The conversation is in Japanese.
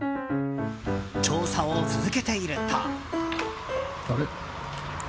調査を続けていると。